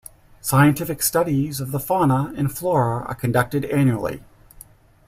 Scientific studies of the fauna and flora are conducted annually.